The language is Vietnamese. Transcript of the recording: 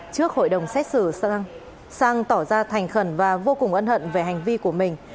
trước hội đồng xét xử sang tỏ ra thành khẩn và vô cùng ân hận về hành vi của mình